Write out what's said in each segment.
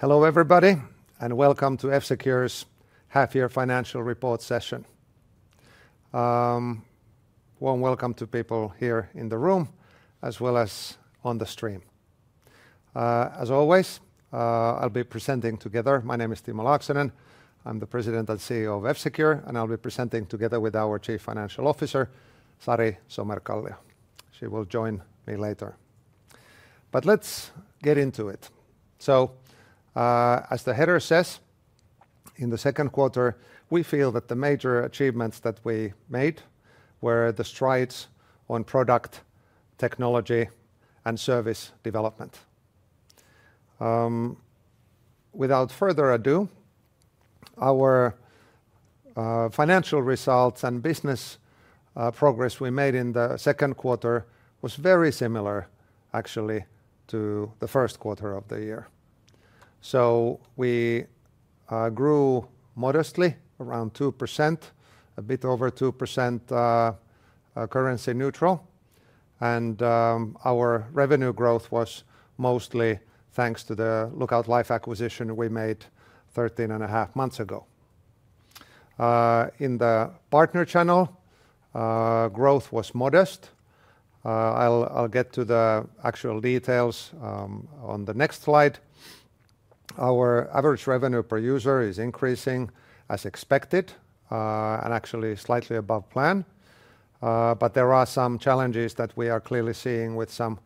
Hello, everybody, and welcome to F-Secure's half-year financial report session. Warm welcome to people here in the room, as well as on the stream. As always, I'll be presenting together. My name is Timo Laaksonen. I'm the President and CEO of F-Secure, and I'll be presenting together with our Chief Financial Officer, Sari Somerkallio. She will join me later. But let's get into it. So, as the header says, in the second quarter, we feel that the major achievements that we made were the strides on product, technology, and service development. Without further ado, our financial results and business progress we made in the second quarter was very similar actually to the first quarter of the year. So we grew modestly around 2%, a bit over 2%, currency neutral, and our revenue growth was mostly thanks to the Lookout Life acquisition we made 13.5 months ago. In the partner channel, growth was modest. I'll get to the actual details on the next slide. Our average revenue per user is increasing as expected, and actually slightly above plan. But there are some challenges that we are clearly seeing with some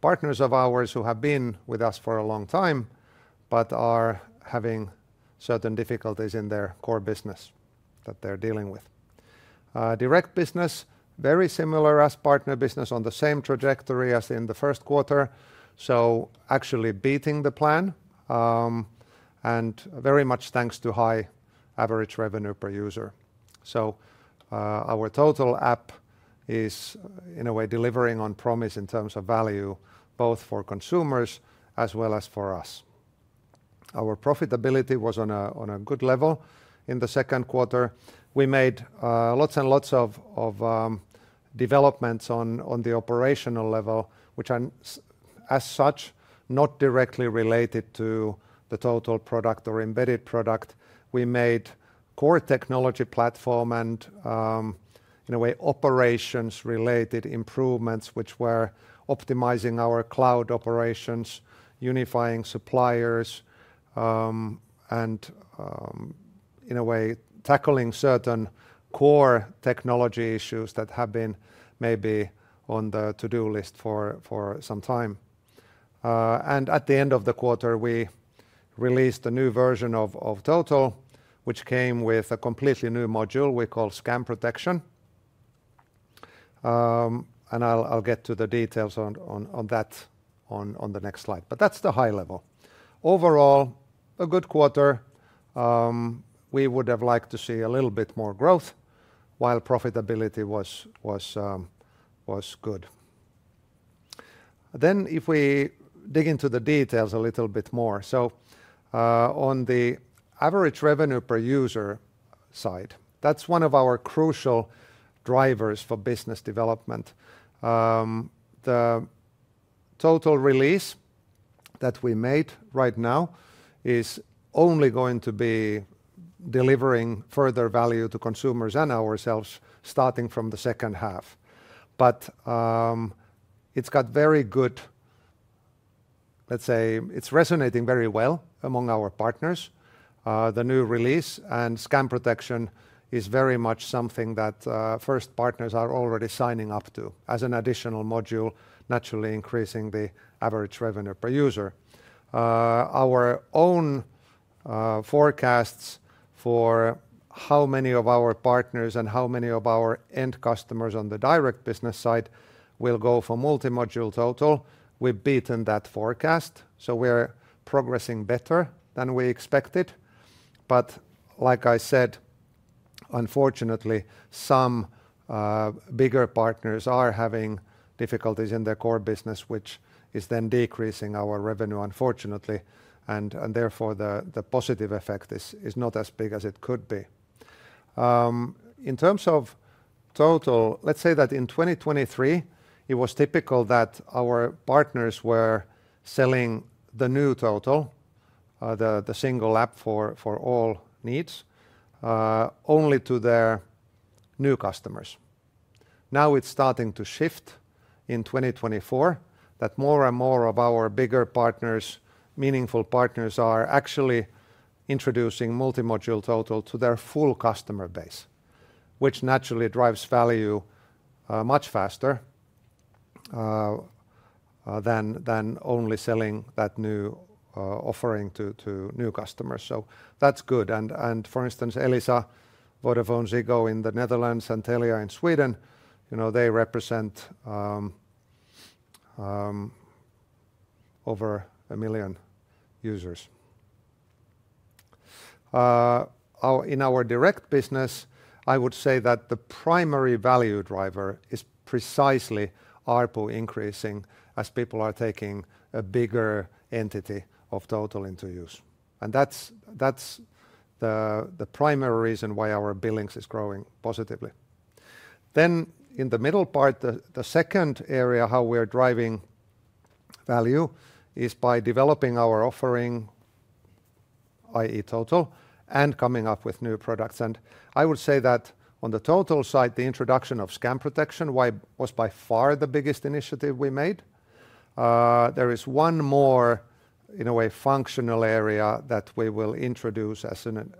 partners of ours who have been with us for a long time, but are having certain difficulties in their core business that they're dealing with. Direct business, very similar as partner business, on the same trajectory as in the first quarter, so actually beating the plan, and very much thanks to high average revenue per user. So, our Total app is, in a way, delivering on promise in terms of value, both for consumers as well as for us. Our profitability was on a good level in the second quarter. We made lots and lots of developments on the operational level, which are as such, not directly related to the Total product or embedded product. We made core technology platform and, in a way, operations-related improvements, which were optimizing our cloud operations, unifying suppliers, and, in a way, tackling certain core technology issues that have been maybe on the to-do list for some time. And at the end of the quarter, we released a new version of Total, which came with a completely new module we call scam protection. I'll get to the details on that on the next slide. But that's the high level. Overall, a good quarter. We would have liked to see a little bit more growth, while profitability was good. If we dig into the details a little bit more. So, on the average revenue per user side, that's one of our crucial drivers for business development. The Total release that we made right now is only going to be delivering further value to consumers and ourselves, starting from the second half. But, it's got very good... Let's say, it's resonating very well among our partners. The new release and Scam Protection is very much something that first partners are already signing up to as an additional module, naturally increasing the average revenue per user. Our own forecasts for how many of our partners and how many of our end customers on the direct business side will go for multi-module Total, we've beaten that forecast, so we're progressing better than we expected. But like I said, unfortunately, some bigger partners are having difficulties in their core business, which is then decreasing our revenue, unfortunately, and therefore, the positive effect is not as big as it could be. In terms of Total, let's say that in 2023, it was typical that our partners were selling the new Total, the single app for all needs, only to their new customers. Now, it's starting to shift in 2024, that more and more of our bigger partners, meaningful partners, are actually introducing multi-module Total to their full customer base, which naturally drives value much faster than only selling that new offering to new customers. So that's good. And for instance, Elisa, VodafoneZiggo in the Netherlands, and Telia in Sweden, you know, they represent over one million users. In our direct business, I would say that the primary value driver is precisely ARPU increasing as people are taking a bigger entity of Total into use, and that's the primary reason why our billings is growing positively. Then in the middle part, the second area, how we're driving value, is by developing our offering, i.e. Total, and coming up with new products. I would say that on the Total side, the introduction of Scam Protection was by far the biggest initiative we made. There is one more, in a way, functional area that we will introduce as an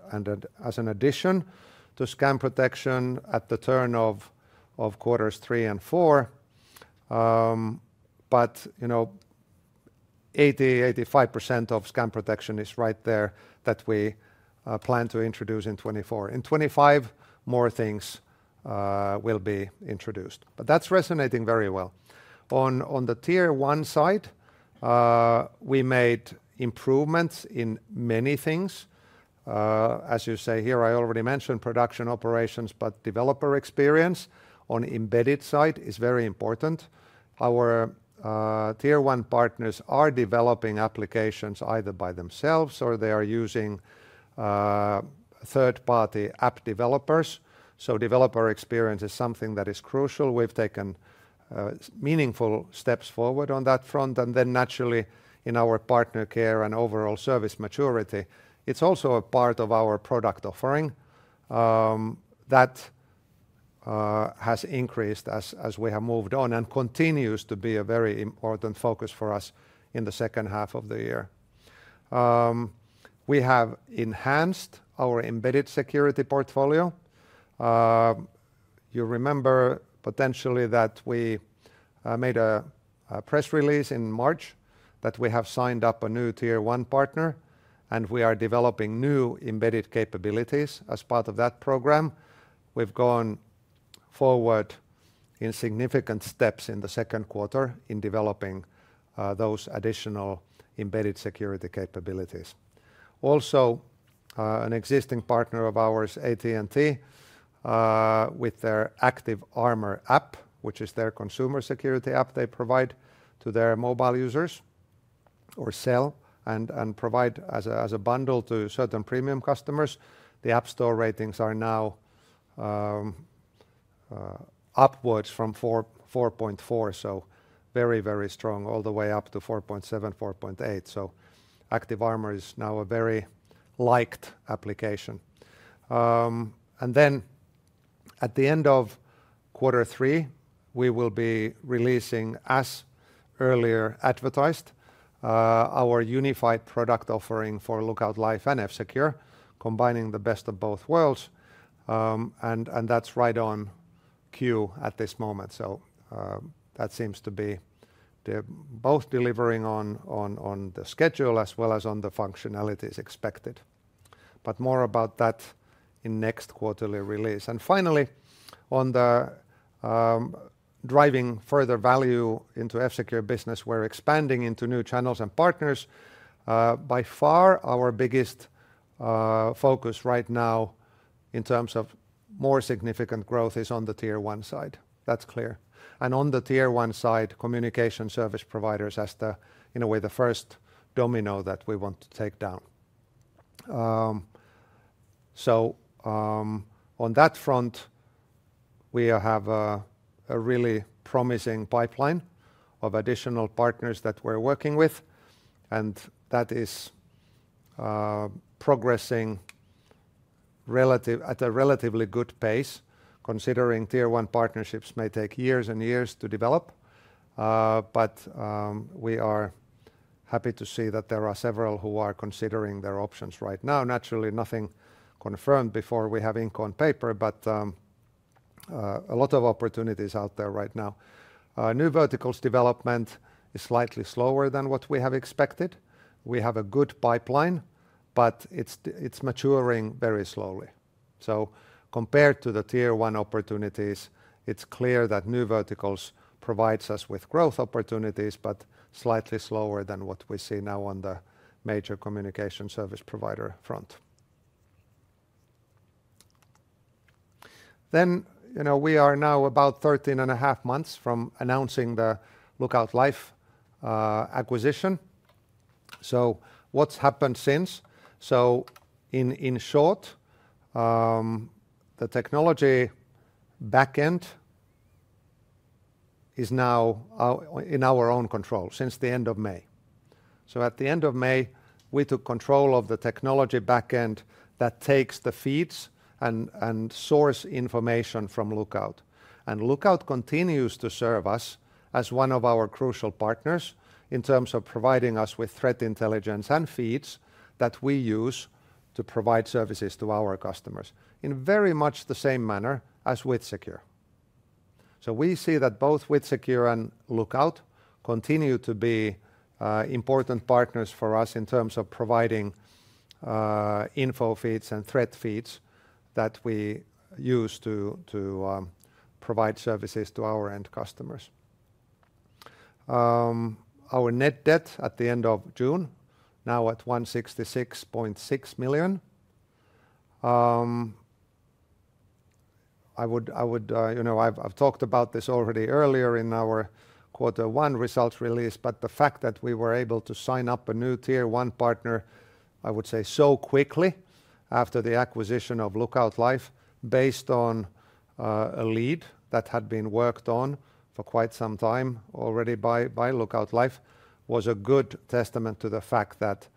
addition to scam protection at the turn of quarters three and four. But, you know, 85% of scam protection is right there that we plan to introduce in 2024. In 2025, more things will be introduced. But that's resonating very well. On the Tier 1 side, we made improvements in many things. As you say, here I already mentioned production operations, but developer experience on embedded side is very important. Our Tier 1 partners are developing applications either by themselves or they are using third-party app developers, so developer experience is something that is crucial. We've taken meaningful steps forward on that front, and then naturally, in our partner care and overall service maturity, it's also a part of our product offering that has increased as we have moved on, and continues to be a very important focus for us in the second half of the year. We have enhanced our embedded security portfolio. You remember potentially that we made a press release in March, that we have signed up a new Tier 1 partner, and we are developing new embedded capabilities as part of that program. We've gone forward in significant steps in the second quarter in developing those additional embedded security capabilities. Also, an existing partner of ours, AT&T, with their ActiveArmor app, which is their consumer security app they provide to their mobile users, or sell, and provide as a bundle to certain premium customers. The App Store ratings are now upwards from 4.4, so very, very strong, all the way up to 4.7, 4.8. So ActiveArmor is now a very liked application. And then at the end of quarter three, we will be releasing, as earlier advertised, our unified product offering for Lookout Life and F-Secure, combining the best of both worlds. And that's right on cue at this moment. So, that seems to be the... Both delivering on the schedule as well as on the functionalities expected. But more about that in next quarterly release. And finally, on the driving further value into F-Secure business, we're expanding into new channels and partners. By far, our biggest focus right now in terms of more significant growth is on the Tier 1 side. That's clear. And on the Tier 1 side, communication service providers as the, in a way, the first domino that we want to take down. So, on that front, we have a really promising pipeline of additional partners that we're working with, and that is progressing at a relatively good pace, considering Tier 1 partnerships may take years and years to develop. But, we are happy to see that there are several who are considering their options right now. Naturally, nothing confirmed before we have ink on paper, but a lot of opportunities out there right now. New verticals development is slightly slower than what we have expected. We have a good pipeline, but it's maturing very slowly. So compared to the Tier 1 opportunities, it's clear that new verticals provides us with growth opportunities, but slightly slower than what we see now on the major communication service provider front. Then, you know, we are now about 13.5 months from announcing the Lookout Life acquisition. So what's happened since? So in short, the technology back end is now out, in our own control since the end of May. So at the end of May, we took control of the technology back end that takes the feeds and source information from Lookout. Lookout continues to serve us as one of our crucial partners in terms of providing us with threat intelligence and feeds that we use to provide services to our customers, in very much the same manner as with WithSecure. So we see that both WithSecure an d Lookout continue to be important partners for us in terms of providing info feeds and threat feeds that we use to provide services to our end customers. Our net debt at the end of June, now at 166.6 million. I would... You know, I've talked about this already earlier in our quarter one results release, but the fact that we were able to sign up a new tier one partner, I would say, so quickly after the acquisition of Lookout Life, based on-... A lead that had been worked on for quite some time already by Lookout Life was a good testament to the fact that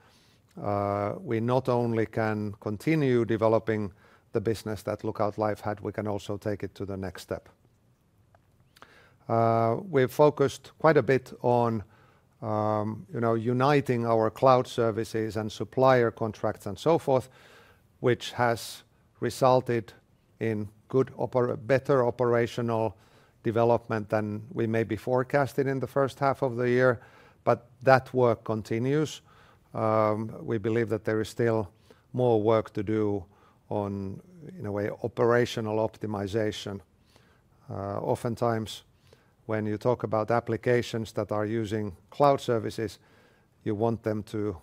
we not only can continue developing the business that Lookout Life had, we can also take it to the next step. We've focused quite a bit on, you know, uniting our cloud services and supplier contracts and so forth, which has resulted in better operational development than we may be forecasting in the first half of the year, but that work continues. We believe that there is still more work to do on, in a way, operational optimization. Oftentimes, when you talk about applications that are using cloud services, you want them to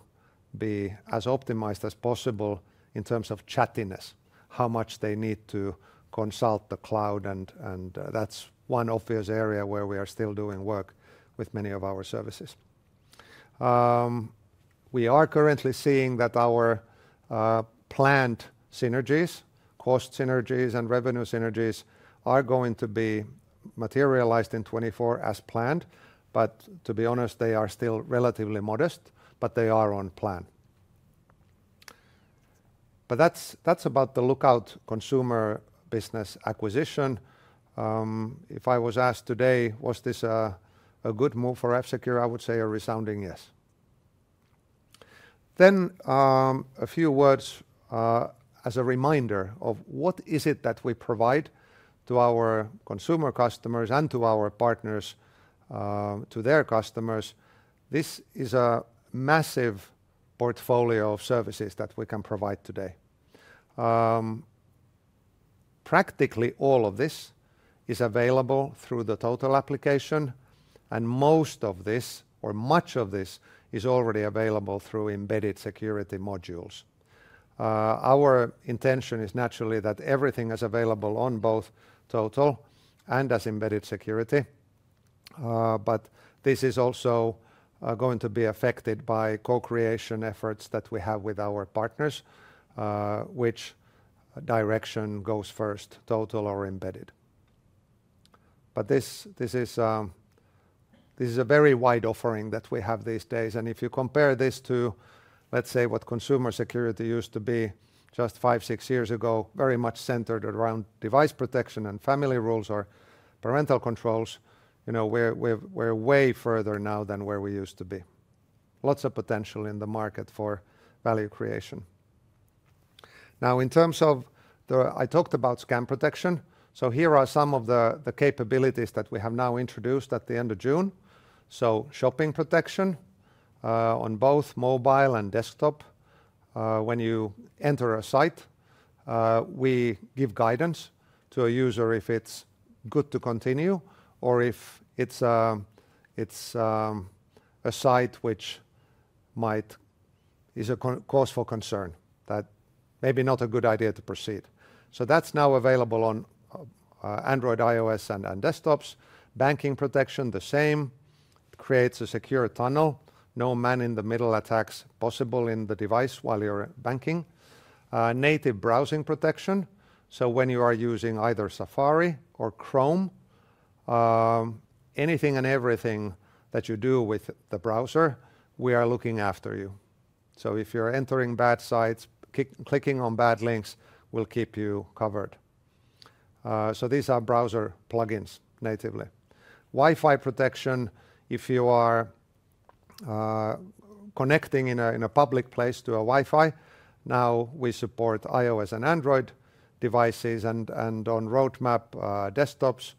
be as optimized as possible in terms of chattiness, how much they need to consult the cloud, and that's one obvious area where we are still doing work with many of our services. We are currently seeing that our planned synergies, cost synergies, and revenue synergies are going to be materialized in 2024 as planned. But to be honest, they are still relatively modest, but they are on plan. But that's about the Lookout consumer business acquisition. If I was asked today, was this a good move for F-Secure, I would say a resounding yes. Then, a few words as a reminder of what is it that we provide to our consumer customers and to our partners, to their customers. This is a massive portfolio of services that we can provide today. Practically all of this is available through the Total application, and most of this or much of this is already available through embedded security modules. Our intention is naturally that everything is available on both Total and as embedded security, but this is also going to be affected by co-creation efforts that we have with our partners, which direction goes first, Total or embedded. But this is a very wide offering that we have these days, and if you compare this to, let's say, what consumer security used to be just five, six years ago, very much centered around device protection and Family Rules or parental controls, you know, we're way further now than where we used to be. Lots of potential in the market for value creation. Now, in terms of the I talked about Scam Protection, so here are some of the capabilities that we have now introduced at the end of June. Shopping Protection on both mobile and desktop. When you enter a site, we give guidance to a user if it's good to continue or if it's a site which might be a cause for concern, that maybe not a good idea to proceed. That's now available on Android, iOS and on desktops. Banking Protection, the same. Creates a secure tunnel. No man-in-the-middle attacks possible in the device while you're banking. Native Browsing Protection, so when you are using either Safari or Chrome, anything and everything that you do with the browser, we are looking after you. So if you're entering bad sites, clicking on bad links, we'll keep you covered. So these are browser plugins natively. Wi-Fi Protection, if you are connecting in a public place to a Wi-Fi, now we support iOS and Android devices and on roadmap, desktops,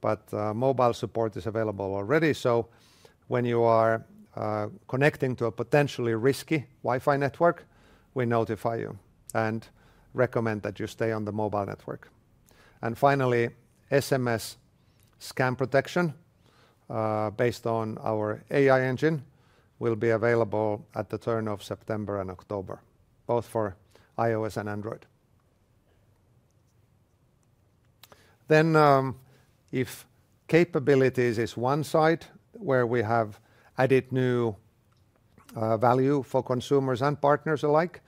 but mobile support is available already. So when you are connecting to a potentially risky Wi-Fi network, we notify you and recommend that you stay on the mobile network. And finally, SMS scam protection, based on our AI engine, will be available at the turn of September and October, both for iOS and Android. Then, if capabilities is one side where we have added new value for consumers and partners alike,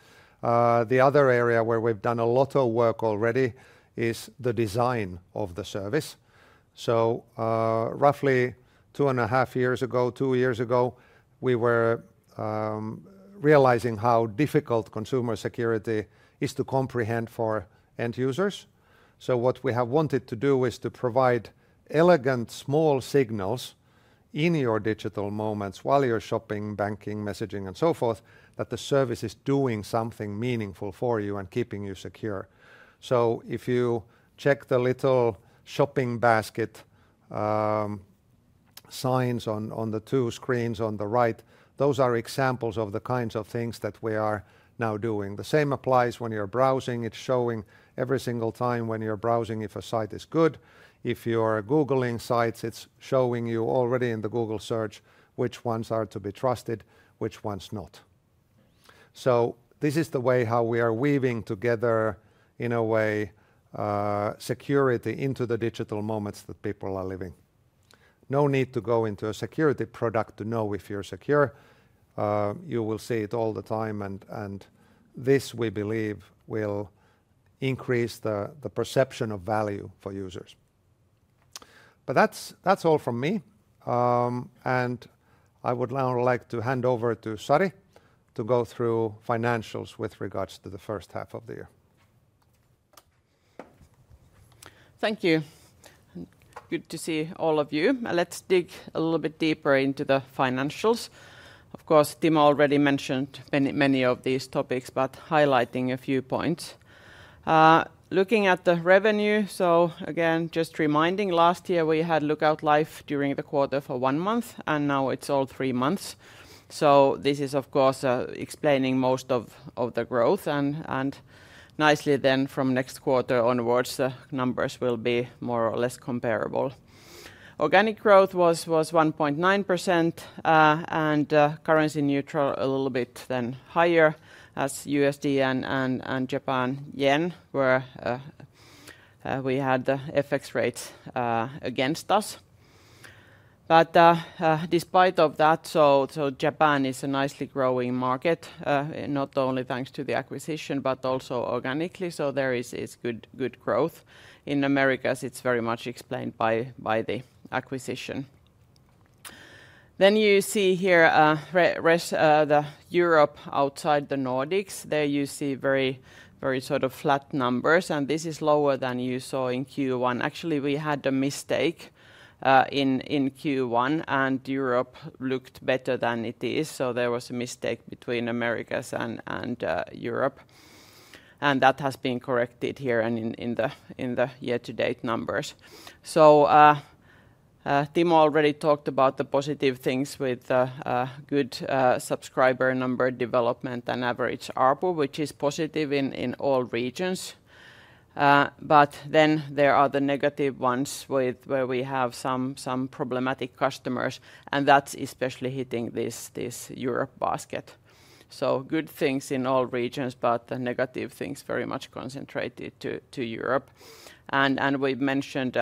the other area where we've done a lot of work already is the design of the service. So, roughly 2.5 years ago, 2 years ago, we were realizing how difficult consumer security is to comprehend for end users. What we have wanted to do is to provide elegant, small signals in your digital moments while you're shopping, banking, messaging, and so forth, that the service is doing something meaningful for you and keeping you secure. If you check the little shopping basket signs on the 2 screens on the right, those are examples of the kinds of things that we are now doing. The same applies when you're browsing. It's showing every single time when you're browsing, if a site is good. If you're googling sites, it's showing you already in the Google search, which ones are to be trusted, which ones not. So this is the way how we are weaving together, in a way, security into the digital moments that people are living... No need to go into a security product to know if you're secure. You will see it all the time, and this, we believe, will increase the perception of value for users. But that's all from me. And I would now like to hand over to Sari to go through financials with regards to the first half of the year. Thank you. Good to see all of you. Let's dig a little bit deeper into the financials. Of course, Timo already mentioned many, many of these topics, but highlighting a few points. Looking at the revenue, so again, just reminding, last year we had Lookout Life during the quarter for one month, and now it's all three months. So this is, of course, explaining most of the growth and nicely then from next quarter onwards, the numbers will be more or less comparable. Organic growth was 1.9%, and currency neutral a little bit then higher as USD and Japan Yen were, we had the FX rates against us. But despite of that, so Japan is a nicely growing market, not only thanks to the acquisition, but also organically, so there is good growth. In Americas, it's very much explained by the acquisition. Then you see here, Europe outside the Nordics. There you see very sort of flat numbers, and this is lower than you saw in Q1. Actually, we had a mistake in Q1, and Europe looked better than it is. So there was a mistake between Americas and Europe, and that has been corrected here and in the year-to-date numbers. So Timo already talked about the positive things with a good subscriber number development and average ARPU, which is positive in all regions. But then there are the negative ones with... Where we have some problematic customers, and that's especially hitting this Europe basket. So good things in all regions, but the negative things very much concentrated to Europe. And we've mentioned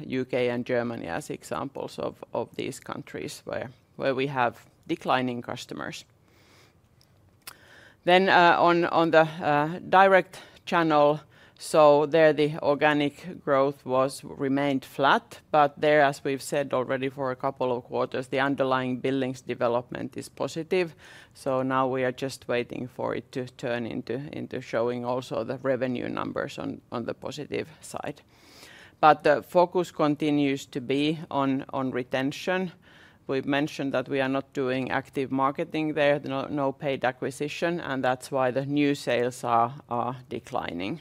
U.K. and Germany as examples of these countries where we have declining customers. Then on the direct channel, so there the organic growth was remained flat, but there, as we've said already for a couple of quarters, the underlying billings development is positive. So now we are just waiting for it to turn into showing also the revenue numbers on the positive side. But the focus continues to be on retention. We've mentioned that we are not doing active marketing there, no paid acquisition, and that's why the new sales are declining.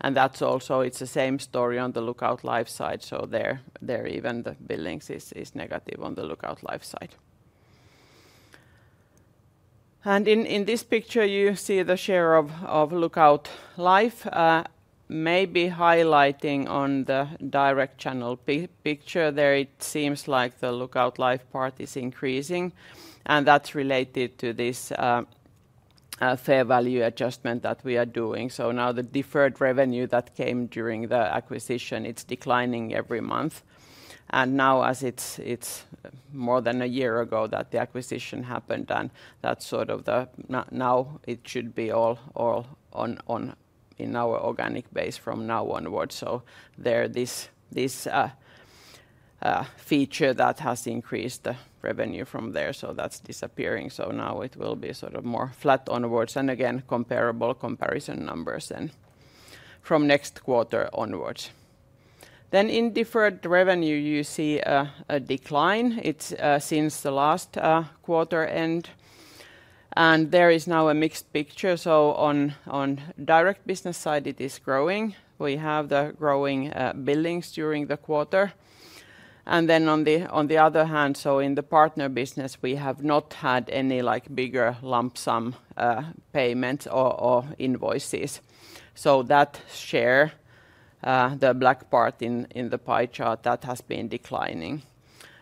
And that's also, it's the same story on the Lookout Life side, so there, there even the billings is negative on the Lookout Life side. And in this picture, you see the share of Lookout Life, maybe highlighting on the direct channel picture there, it seems like the Lookout Life part is increasing, and that's related to this fair value adjustment that we are doing. So now the deferred revenue that came during the acquisition, it's declining every month. And now as it's more than a year ago that the acquisition happened, and that's sort of the now it should be all, all on, in our organic base from now onwards. So there, this feature that has increased the revenue from there, so that's disappearing. So now it will be sort of more flat onwards, and again, comparable comparison numbers then from next quarter onwards. Then in deferred revenue, you see a decline. It's since the last quarter end, and there is now a mixed picture. So on the direct business side, it is growing. We have the growing billings during the quarter. And then on the other hand, so in the partner business, we have not had any, like, bigger lump sum payments or invoices. So that share, the black part in the pie chart, that has been declining.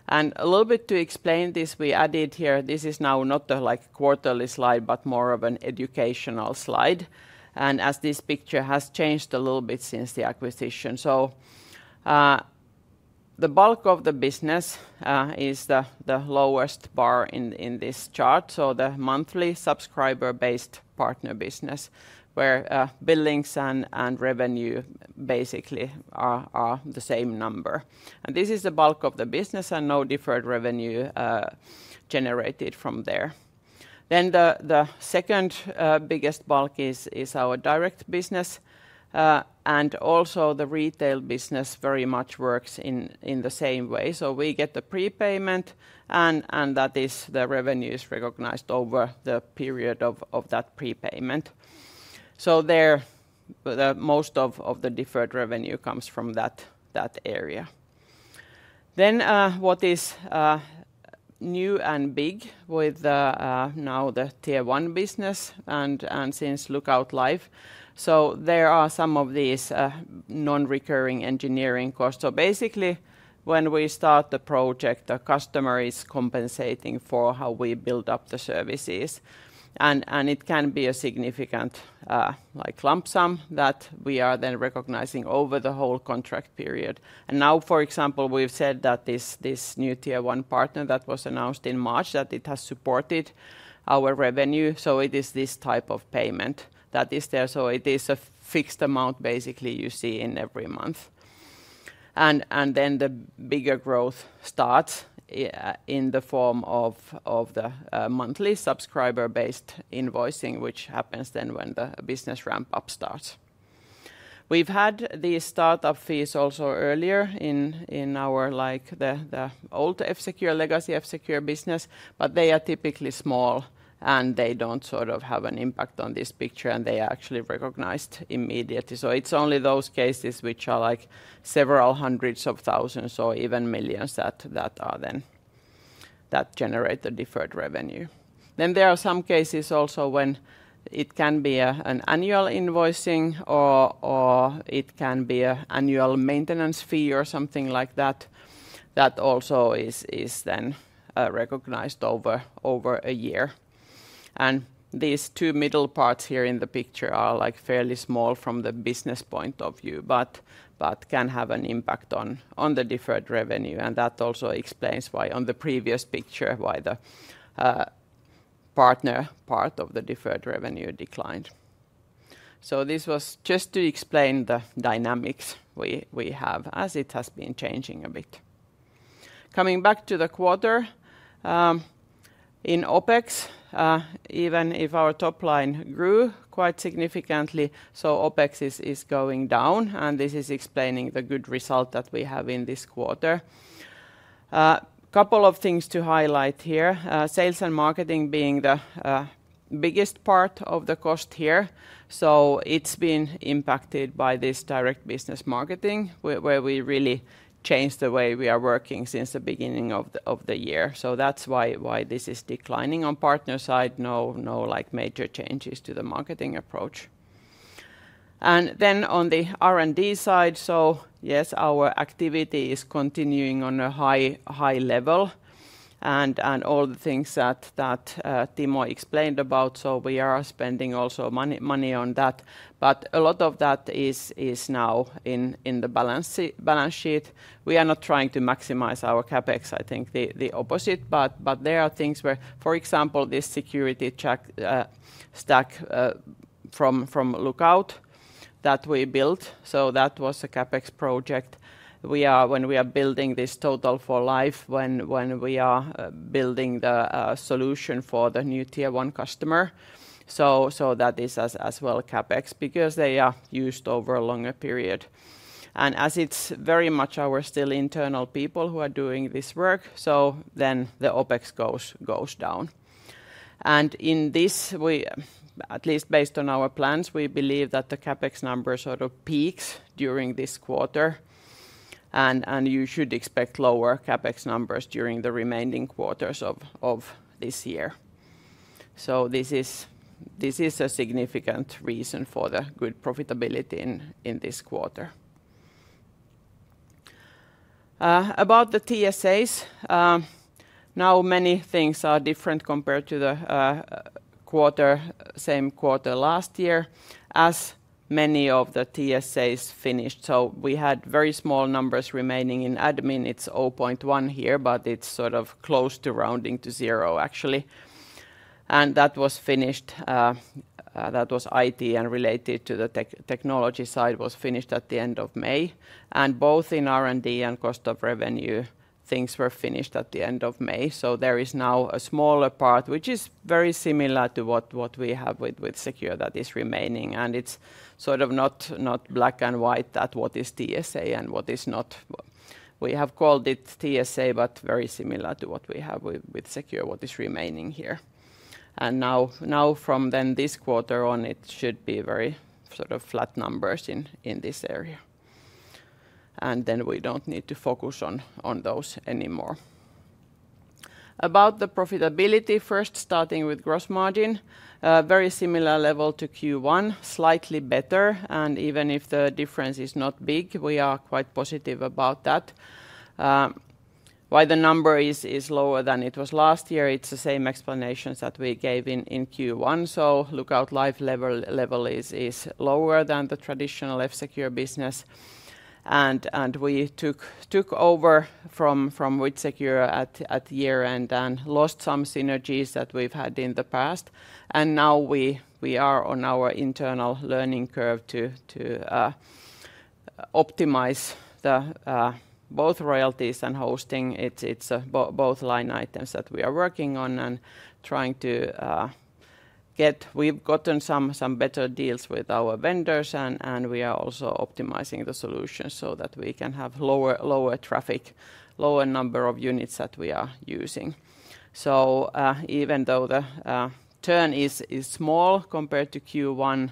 And a little bit to explain this, we added here, this is now not the, like, quarterly slide, but more of an educational slide, and as this picture has changed a little bit since the acquisition. So, the bulk of the business is the lowest bar in this chart, so the monthly subscriber-based partner business, where billings and revenue basically are the same number. And this is the bulk of the business and no deferred revenue generated from there. Then the second biggest bulk is our direct business and also the retail business very much works in the same way. So we get the prepayment, and that is the revenue is recognized over the period of that prepayment. So there, the most of the deferred revenue comes from that area. Then, what is new and big with now the Tier 1 business and since Lookout Life, so there are some of these non-recurring engineering costs. So basically, when we start the project, the customer is compensating for how we build up the services, and it can be a significant, like lump sum that we are then recognizing over the whole contract period. And now, for example, we've said that this new Tier 1 partner that was announced in March, that it has supported our revenue, so it is this type of payment that is there. So it is a fixed amount, basically, you see in every month. And then the bigger growth starts in the form of the monthly subscriber-based invoicing, which happens then when the business ramp-up starts. We've had the startup fees also earlier in our like the old F-Secure, legacy F-Secure business, but they are typically small, and they don't sort of have an impact on this picture, and they are actually recognized immediately. So it's only those cases which are like several hundreds of thousands or even millions that are then that generate the deferred revenue. Then there are some cases also when it can be an annual invoicing or it can be an annual maintenance fee or something like that, that also is then recognized over a year. These two middle parts here in the picture are, like, fairly small from the business point of view, but can have an impact on the deferred revenue, and that also explains why on the previous picture, the partner part of the deferred revenue declined. So this was just to explain the dynamics we have, as it has been changing a bit. Coming back to the quarter, in OpEx, even if our top line grew quite significantly, so OpEx is going down, and this is explaining the good result that we have in this quarter. Couple of things to highlight here. Sales and marketing being the biggest part of the cost here, so it's been impacted by this direct business marketing, where we really changed the way we are working since the beginning of the year. So that's why this is declining. On partner side, no, no, like, major changes to the marketing approach. And then on the R&D side, so yes, our activity is continuing on a high, high level and, and all the things that, that Timo explained about, so we are spending also money, money on that. But a lot of that is, is now in, in the balance sheet. We are not trying to maximize our CapEx, I think the, the opposite, but, but there are things where, for example, this shadow stack from, from Lookout that we built, so that was a CapEx project. When we are building this Total for Life, when we are building the solution for the new Tier 1 customer, so that is as well CapEx because they are used over a longer period. And as it's very much our still internal people who are doing this work, so then the OpEx goes down. And in this, at least based on our plans, we believe that the CapEx number sort of peaks during this quarter, and you should expect lower CapEx numbers during the remaining quarters of this year. So this is a significant reason for the good profitability in this quarter. About the TSAs, now many things are different compared to the same quarter last year, as many of the TSAs finished. So we had very small numbers remaining. In admin, it's 0.1 here, but it's sort of close to rounding to zero, actually. That was finished, that was IT and related to the technology side, was finished at the end of May. And both in R&D and cost of revenue, things were finished at the end of May. So there is now a smaller part, which is very similar to what we have with WithSecure that is remaining, and it's sort of not black and white, that what is TSA and what is not. We have called it TSA, but very similar to what we have with WithSecure, what is remaining here. And now from then this quarter on, it should be very sort of flat numbers in this area, and then we don't need to focus on those anymore. About the profitability first, starting with gross margin, very similar level to Q1, slightly better, and even if the difference is not big, we are quite positive about that. Why the number is lower than it was last year, it's the same explanations that we gave in Q1. So Lookout Life level is lower than the traditional F-Secure business. And we took over from WithSecure at year-end and lost some synergies that we've had in the past. And now we are on our internal learning curve to optimize both royalties and hosting. It's both line items that we are working on and trying to get... We've gotten some better deals with our vendors, and we are also optimizing the solution so that we can have lower traffic, lower number of units that we are using. So, even though the turn is small compared to Q1,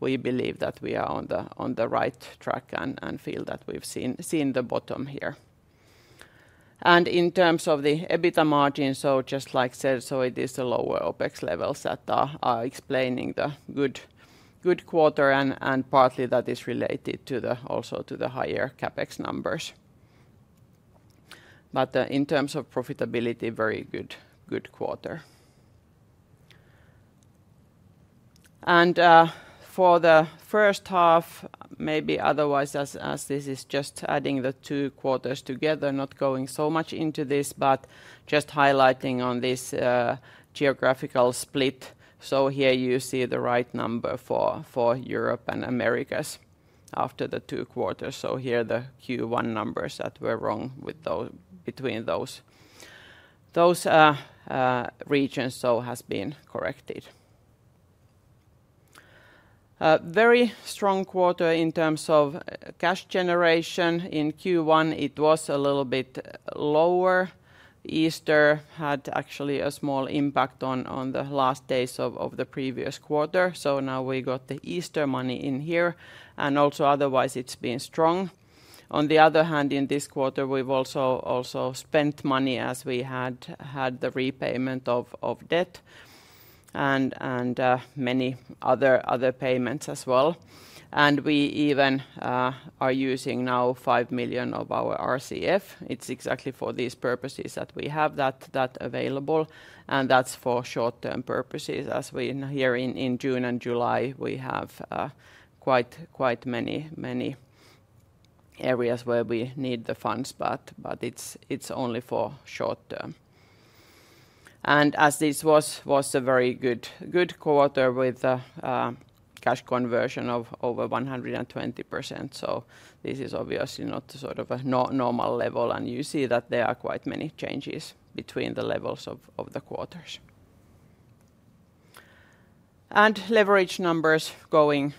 we believe that we are on the right track and feel that we've seen the bottom here. And in terms of the EBITDA margin, so just like said, so it is the lower OpEx levels that are explaining the good quarter and partly that is related also to the higher CapEx numbers. But, in terms of profitability, very good quarter. And, for the first half, maybe otherwise, as this is just adding the two quarters together, not going so much into this, but just highlighting on this, geographical split. So here you see the right number for Europe and Americas after the two quarters. So here are the Q1 numbers that were wrong between those regions so has been corrected. Very strong quarter in terms of cash generation. In Q1, it was a little bit lower. Easter had actually a small impact on the last days of the previous quarter, so now we got the Easter money in here, and also otherwise it's been strong. On the other hand, in this quarter, we've also spent money as we had the repayment of debt and many other payments as well. And we even are using now 5 million of our RCF. It's exactly for these purposes that we have that available, and that's for short-term purposes, as we... Here in June and July, we have quite many areas where we need the funds, but it's only for short-term. And as this was a very good quarter with cash conversion of over 120%, so this is obviously not the sort of a normal level, and you see that there are quite many changes between the levels of the quarters. And leverage numbers going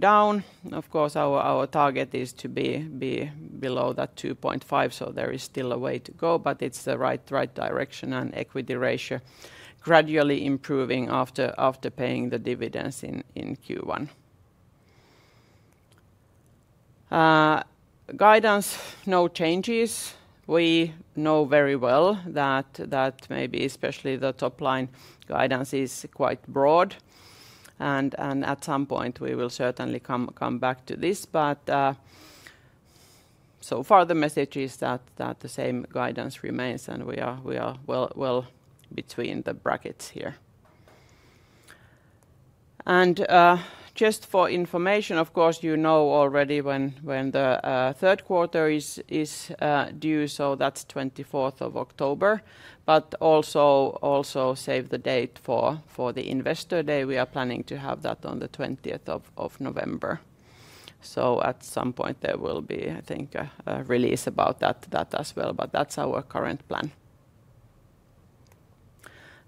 down. Of course, our target is to be below that 2.5, so there is still a way to go, but it's the right direction, and equity ratio gradually improving after paying the dividends in Q1. Guidance, no changes. We know very well that maybe especially the top line guidance is quite broad, and at some point we will certainly come back to this. But so far the message is that the same guidance remains, and we are well between the brackets here. And just for information, of course, you know already when the third quarter is due, so that's 24th of October. But also save the date for the investor day. We are planning to have that on the 20th of November. So at some point there will be, I think, a release about that as well, but that's our current plan.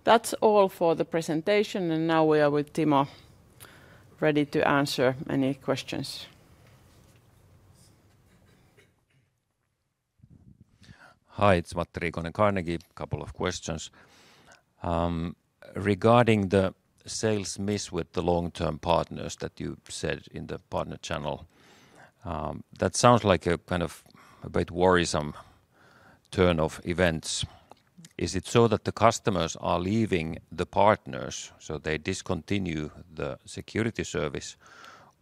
That's all for the presentation, and now we are with Timo, ready to answer any questions. Hi, it's Matti Riikonen, Carnegie. Couple of questions. Regarding the sales miss with the long-term partners that you said in the partner channel, that sounds like a kind of a bit worrisome turn of events. Is it so that the customers are leaving the partners, so they discontinue the security service,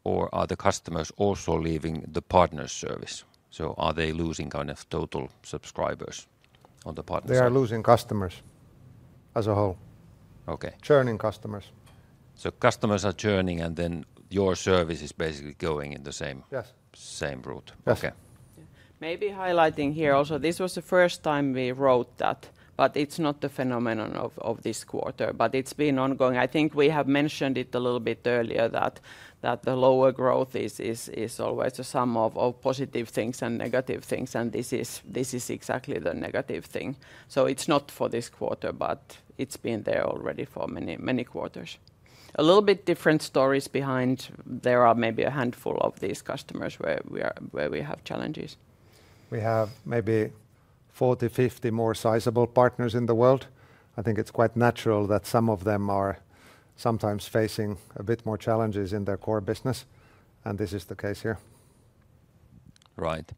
or are the customers also leaving the partner service? So are they losing kind of Total subscribers on the partner service? They are losing customers as a whole. Okay. Churning customers. So customers are churning, and then your service is basically going in the same- Yes... same route? Yes. Okay. Maybe highlighting here also, this was the first time we wrote that, but it's not the phenomenon of this quarter, but it's been ongoing. I think we have mentioned it a little bit earlier that the lower growth is always a sum of positive things and negative things, and this is exactly the negative thing. So it's not for this quarter, but it's been there already for many, many quarters. A little bit different stories behind, there are maybe a handful of these customers where we have challenges. We have maybe 40, 50 more sizable partners in the world. I think it's quite natural that some of them are sometimes facing a bit more challenges in their core business, and this is the case here. Right.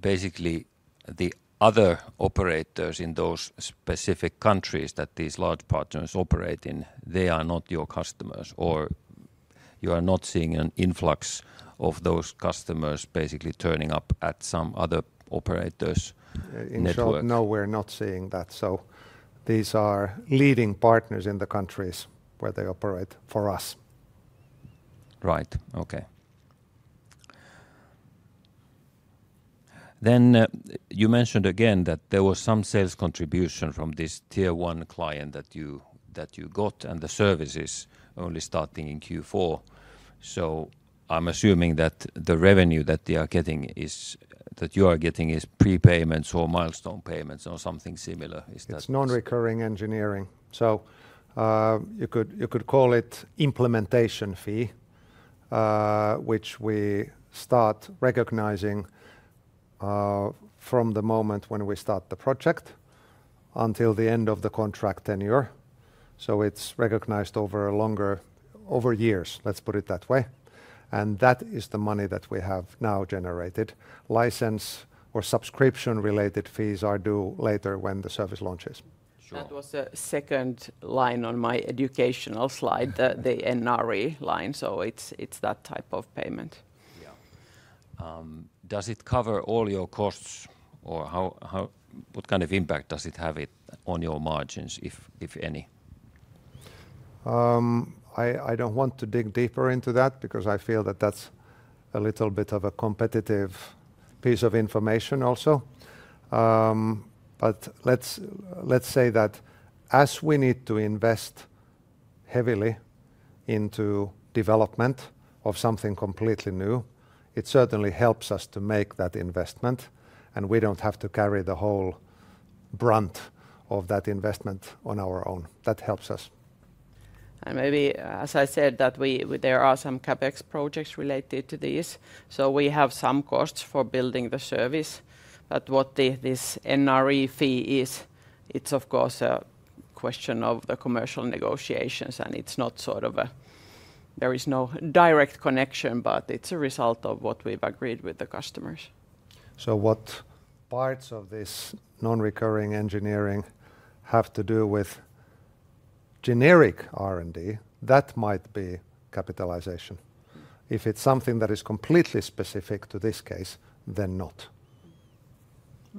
Basically, the other operators in those specific countries that these large partners operate in, they are not your customers, or you are not seeing an influx of those customers basically turning up at some other operators in network? In short, no, we're not seeing that, so these are leading partners in the countries where they operate for us. Right. Okay. Then, you mentioned again that there was some sales contribution from this Tier 1 client that you, that you got, and the service is only starting in Q4. So I'm assuming that the revenue that they are getting is- that you are getting, is prepayments or milestone payments or something similar. Is that? It's non-recurring engineering. So, you could, you could call it implementation fee, which we start recognizing from the moment when we start the project until the end of the contract tenure. So it's recognized over a longer... over years, let's put it that way. And that is the money that we have now generated. License or subscription-related fees are due later when the service launches. Sure. That was the second line on my educational slide, the NRE line, so it's that type of payment. Yeah. Does it cover all your costs, or how... What kind of impact does it have on your margins, if any? I don't want to dig deeper into that, because I feel that that's a little bit of a competitive piece of information also. But let's say that as we need to invest heavily into development of something completely new, it certainly helps us to make that investment, and we don't have to carry the whole brunt of that investment on our own. That helps us. Maybe, as I said, that there are some CapEx projects related to this, so we have some costs for building the service. But what this NRE fee is, it's of course a question of the commercial negotiations, and it's not sort of a... There is no direct connection, but it's a result of what we've agreed with the customers. What parts of this non-recurring engineering have to do with generic R&D that might be capitalization? If it's something that is completely specific to this case, then not.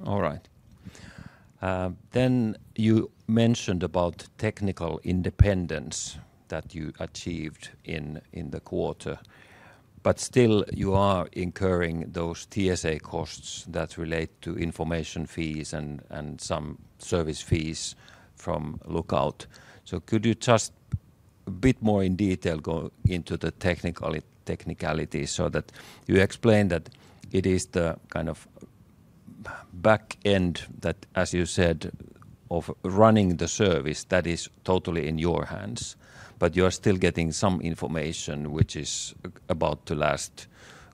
All right. Then you mentioned about technical independence that you achieved in the quarter, but still you are incurring those TSA costs that relate to information fees and some service fees from Lookout. So could you just a bit more in detail go into the technicalities so that you explain that it is the kind of back end that, as you said, of running the service that is totally in your hands, but you are still getting some information which is about to last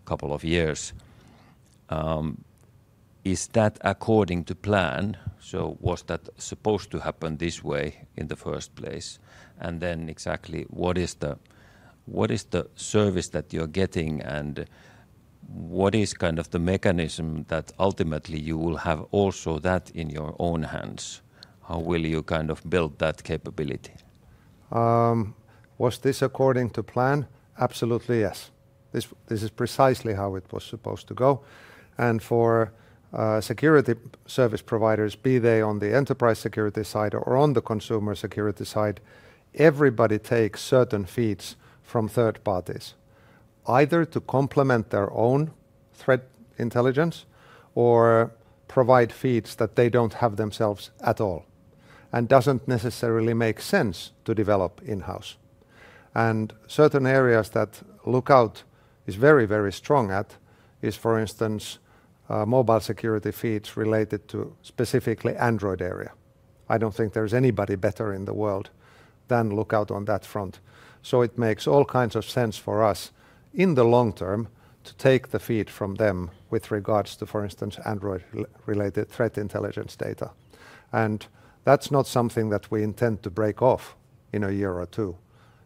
couple of years. Is that according to plan? So was that supposed to happen this way in the first place? And then exactly what is the service that you're getting, and what is kind of the mechanism that ultimately you will have also that in your own hands? How will you kind of build that capability? Was this according to plan? Absolutely, yes. This, this is precisely how it was supposed to go. And for security service providers, be they on the enterprise security side or on the consumer security side, everybody takes certain feeds from third parties, either to complement their own threat intelligence or provide feeds that they don't have themselves at all, and doesn't necessarily make sense to develop in-house. And certain areas that Lookout is very, very strong at is, for instance, mobile security feeds related to specifically Android area. I don't think there's anybody better in the world than Lookout on that front. So it makes all kinds of sense for us, in the long term, to take the feed from them with regards to, for instance, Android related threat intelligence data. And that's not something that we intend to break off in a year or two.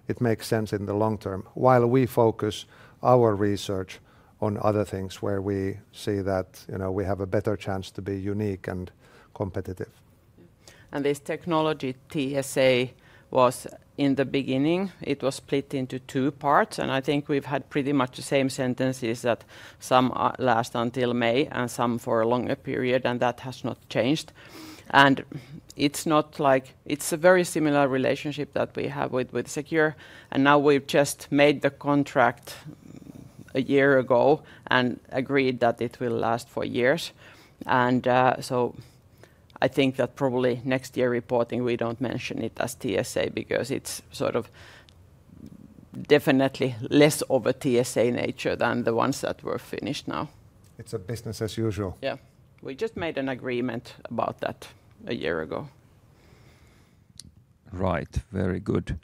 It makes sense in the long term, while we focus our research on other things where we see that, you know, we have a better chance to be unique and competitive. This technology, TSA, was in the beginning, it was split into two parts, and I think we've had pretty much the same schedules that some last until May and some for a longer period, and that has not changed. It's not like... It's a very similar relationship that we have with WithSecure, and now we've just made the contract a year ago and agreed that it will last for years. So I think that probably next year reporting, we don't mention it as TSA because it's sort of definitely less of a TSA nature than the ones that we're finished now. It's a business as usual. Yeah. We just made an agreement about that a year ago. Right. Very good.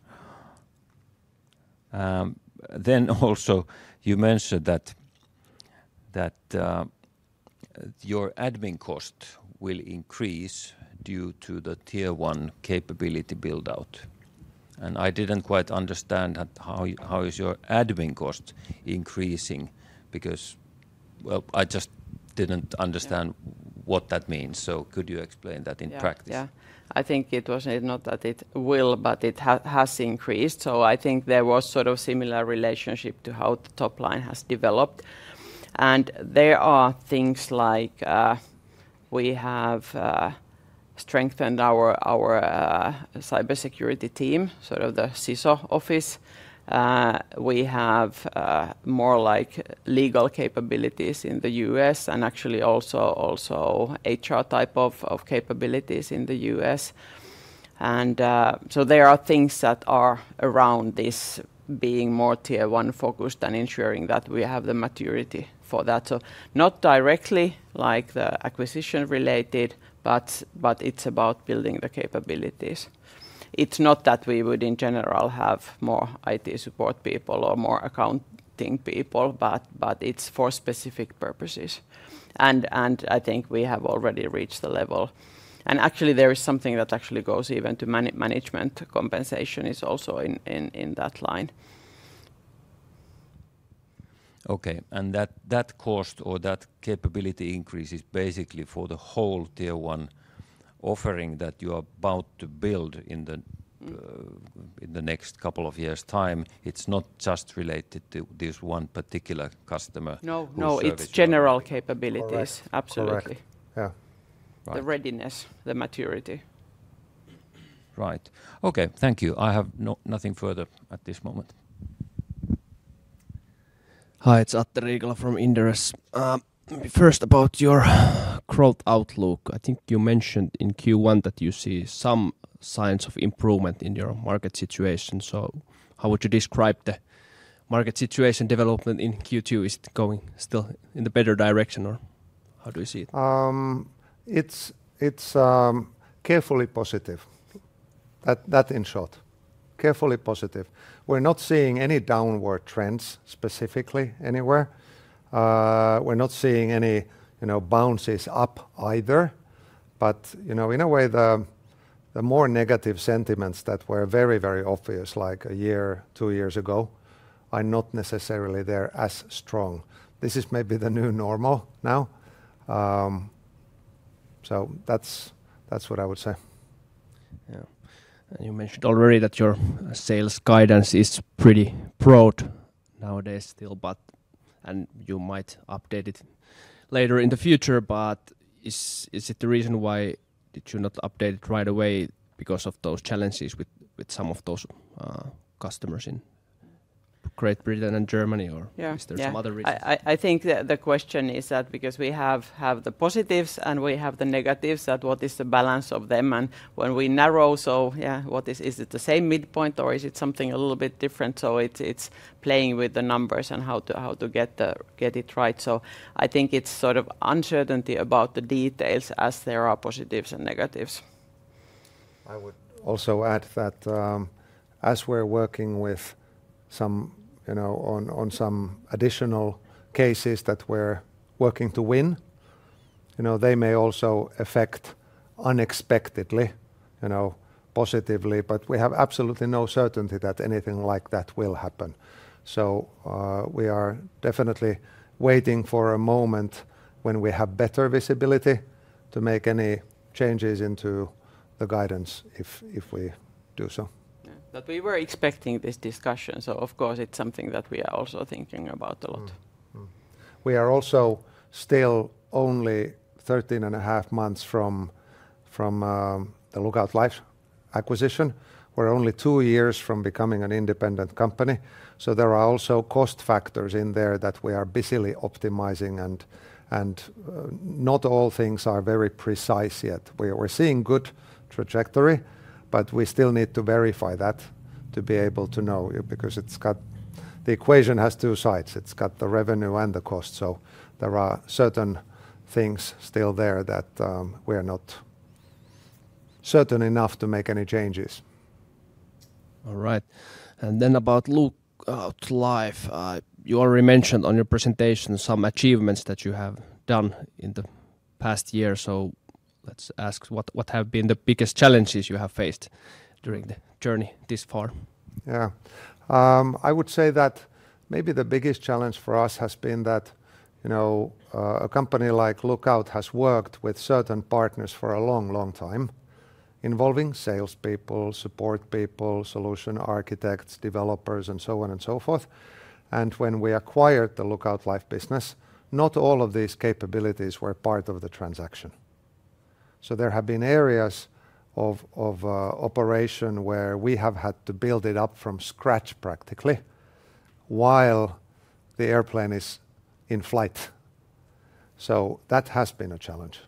Then also you mentioned that your admin cost will increase due to the Tier 1 capability build-out, and I didn't quite understand that how is your admin cost increasing because... Well, I just didn't understand what that means. So could you explain that in practice? Yeah, yeah. I think it was not that it will, but it has increased, so I think there was sort of similar relationship to how the top line has developed. And there are things like, we have strengthened our cybersecurity team, sort of the CISO Office. We have more, like, legal capabilities in the U.S. and actually also HR type of capabilities in the U.S. And, so there are things that are around this being more Tier 1 focused and ensuring that we have the maturity for that. So not directly, like the acquisition-related, but it's about building the capabilities. It's not that we would, in general, have more IT support people or more accounting people, but it's for specific purposes. And I think we have already reached the level. And actually, there is something that actually goes even to management. Compensation is also in that line. Okay. And that cost or that capability increase is basically for the whole Tier 1 offering that you are about to build in the in the next couple of years' time, it's not just related to this one particular customer- No, no- -or service?... it's general capabilities. Correct. Absolutely. Correct. Yeah. Right. The readiness, the maturity. Right. Okay, thank you. I have nothing further at this moment. Hi, it's Atte Riikola from Inderes. First, about your growth outlook. I think you mentioned in Q1 that you see some signs of improvement in your market situation. So how would you describe the market situation development in Q2? Is it going still in the better direction, or how do you see it? It's carefully positive. That in short. Carefully positive. We're not seeing any downward trends, specifically, anywhere. We're not seeing any, you know, bounces up either. But, you know, in a way, the more negative sentiments that were very, very obvious, like a year, two years ago, are not necessarily there as strong. This is maybe the new normal now. So that's what I would say. Yeah. You mentioned already that your sales guidance is pretty broad nowadays still, but... You might update it later in the future. But is it the reason why did you not update it right away because of those challenges with some of those customers in Great Britain and Germany, or Is there some other reason? I think the question is that because we have the positives and we have the negatives, that what is the balance of them? And when we narrow, so yeah, what is it? Is it the same midpoint or is it something a little bit different? So it's playing with the numbers and how to get it right. So I think it's sort of uncertainty about the details as there are positives and negatives. I would also add that, as we're working with some, you know, on some additional cases that we're working to win, you know, they may also affect unexpectedly, you know, positively. But we have absolutely no certainty that anything like that will happen. So, we are definitely waiting for a moment when we have better visibility to make any changes into the guidance, if we do so. Yeah. But we were expecting this discussion, so of course it's something that we are also thinking about a lot. Mm-hmm. We are also still only 13.5 months from the Lookout Life acquisition. We're only two years from becoming an independent company, so there are also cost factors in there that we are busily optimizing, and not all things are very precise yet. We're seeing good trajectory, but we still need to verify that to be able to know, because it's got the revenue and the cost. So there are certain things still there that we are not certain enough to make any changes. All right. And then about Lookout Life, you already mentioned on your presentation some achievements that you have done in the past year. So let's ask, what have been the biggest challenges you have faced during the journey this far? Yeah. I would say that maybe the biggest challenge for us has been that, you know, a company like Lookout has worked with certain partners for a long, long time, involving sales people, support people, solution architects, developers, and so on and so forth. And when we acquired the Lookout Life business, not all of these capabilities were part of the transaction. So there have been areas of operation where we have had to build it up from scratch, practically, while the airplane is in flight. So that has been a challenge.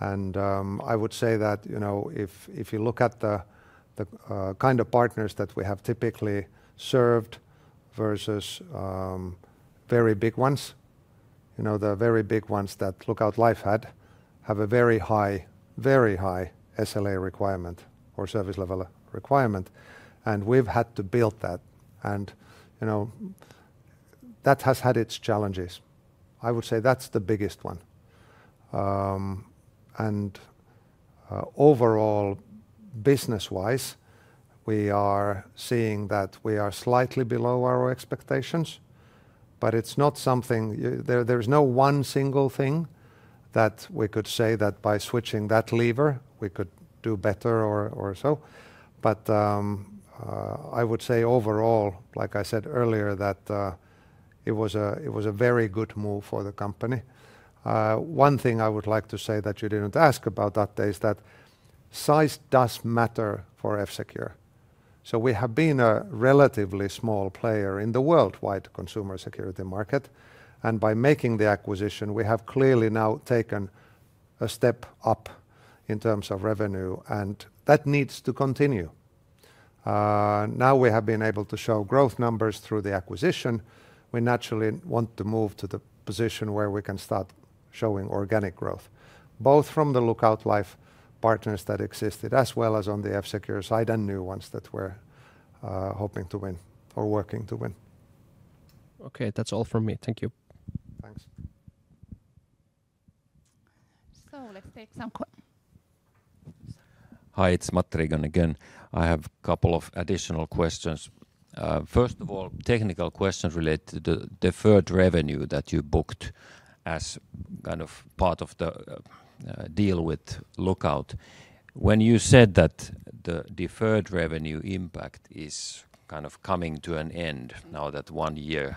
I would say that, you know, if you look at the kind of partners that we have typically served versus very big ones, you know, the very big ones that Lookout Life had have a very high, very high SLA requirement or service level requirement, and we've had to build that. You know, that has had its challenges. I would say that's the biggest one. And overall, business-wise, we are seeing that we are slightly below our expectations, but it's not something... There, there's no one single thing that we could say that by switching that lever, we could do better or so. But I would say overall, like I said earlier, that it was a very good move for the company. One thing I would like to say that you didn't ask about that day, is that size does matter for F-Secure. So we have been a relatively small player in the worldwide consumer security market, and by making the acquisition, we have clearly now taken a step up in terms of revenue, and that needs to continue. Now, we have been able to show growth numbers through the acquisition, we naturally want to move to the position where we can start showing organic growth, both from the Lookout Life partners that existed, as well as on the F-Secure side, and new ones that we're hoping to win or working to win. Okay, that's all from me. Thank you. Thanks. So let's take some que- Hi, it's Matti Riikonen again. I have a couple of additional questions. First of all, technical questions related to the deferred revenue that you booked as kind of part of the deal with Lookout. When you said that the deferred revenue impact is kind of coming to an end now that one year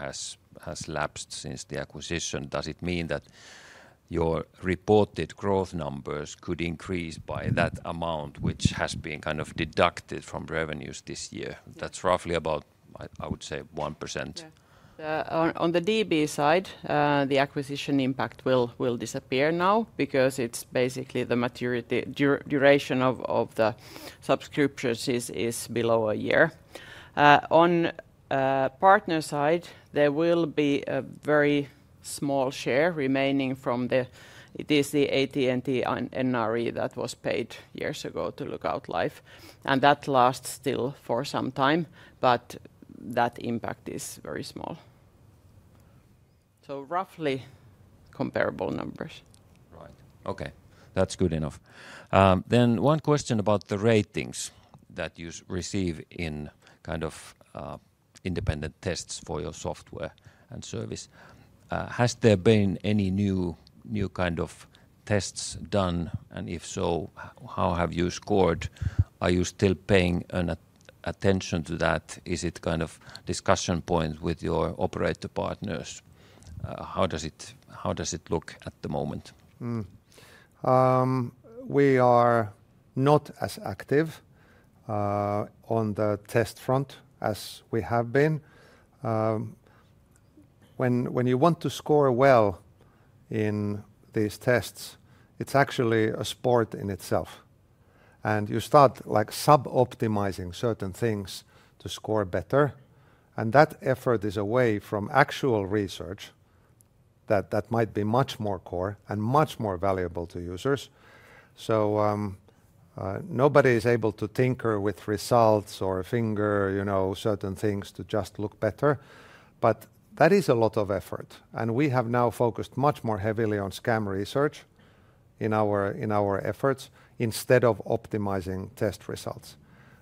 has lapsed since the acquisition, does it mean that your reported growth numbers could increase by that amount, which has been kind of deducted from revenues this year. That's roughly about, I would say, 1%. Yeah. On the DB side, the acquisition impact will disappear now because it's basically the maturity, duration of the subscriptions is below a year. On the partner side, there will be a very small share remaining from the it is the AT&T and NRE that was paid years ago to Lookout Life, and that lasts still for some time, but that impact is very small. So roughly comparable numbers. Right. Okay, that's good enough. Then one question about the ratings that you receive in kind of independent tests for your software and service. Has there been any new kind of tests done? And if so, how have you scored? Are you still paying attention to that? Is it kind of discussion point with your operator partners? How does it look at the moment? We are not as active on the test front as we have been. When you want to score well in these tests, it's actually a sport in itself, and you start, like, sub-optimizing certain things to score better, and that effort is away from actual research that might be much more core and much more valuable to users. So, nobody is able to tinker with results or fudge, you know, certain things to just look better, but that is a lot of effort, and we have now focused much more heavily on scam research in our efforts, instead of optimizing test results.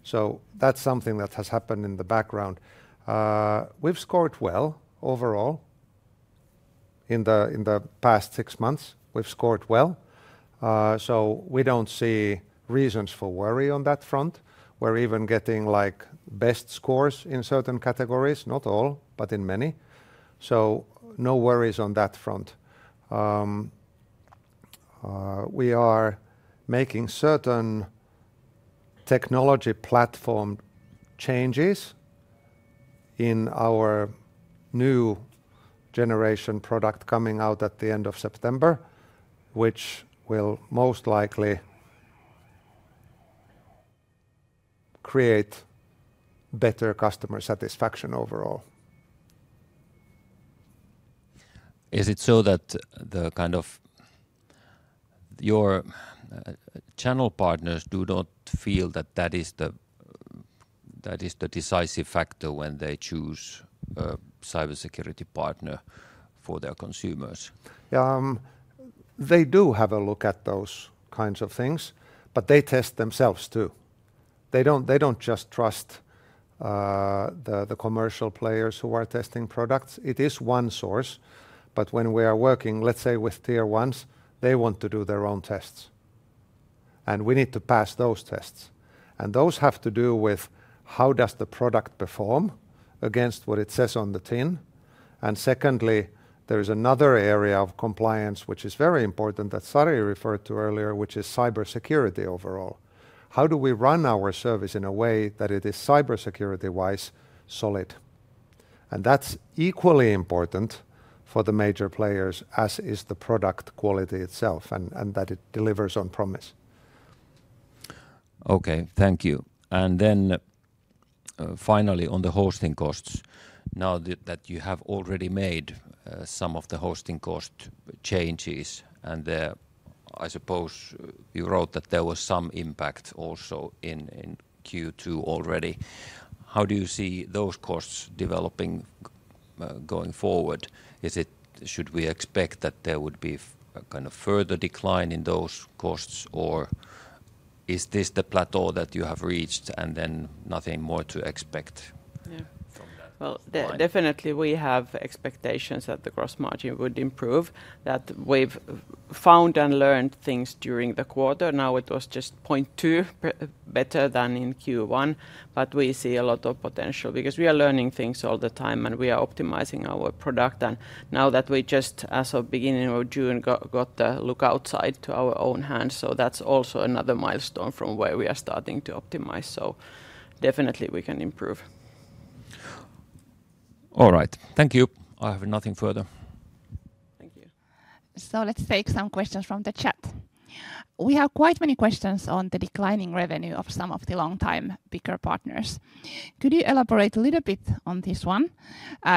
So that's something that has happened in the background. We've scored well overall in the past six months, we've scored well. So we don't see reasons for worry on that front. We're even getting, like, best scores in certain categories, not all, but in many. So no worries on that front. We are making certain technology platform changes in our new generation product coming out at the end of September, which will most likely create better customer satisfaction overall. Is it so that the kind of your channel partners do not feel that that is the, that is the decisive factor when they choose a cybersecurity partner for their consumers? They do have a look at those kinds of things, but they test themselves, too. They don't, they don't just trust the commercial players who are testing products. It is one source, but when we are working, let's say, with tier ones, they want to do their own tests, and we need to pass those tests. And those have to do with: How does the product perform against what it says on the tin? And secondly, there is another area of compliance, which is very important, that Sari referred to earlier, which is cybersecurity overall. How do we run our service in a way that it is cybersecurity-wise solid? And that's equally important for the major players, as is the product quality itself, and that it delivers on promise. Okay, thank you. And then, finally, on the hosting costs, now that you have already made some of the hosting cost changes, and I suppose you wrote that there was some impact also in Q2 already, how do you see those costs developing going forward? Is it... Should we expect that there would be a kind of further decline in those costs, or is this the plateau that you have reached, and then nothing more to expect? Yeah From that point? Well, definitely, we have expectations that the gross margin would improve, that we've found and learned things during the quarter. Now, it was just 0.2 better than in Q1, but we see a lot of potential because we are learning things all the time, and we are optimizing our product. And now that we just, as of beginning of June, got the Lookout side to our own hands, so that's also another milestone from where we are starting to optimize, so definitely we can improve. All right. Thank you. I have nothing further. Thank you. So let's take some questions from the chat. We have quite many questions on the declining revenue of some of the long-time bigger partners. Could you elaborate a little bit on this one?